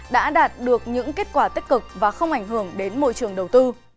đã đạt được những kết quả tích cực và không ảnh hưởng đến môi trường đầu tư